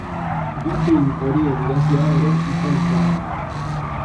Bi film horien idazlea ere izan zen.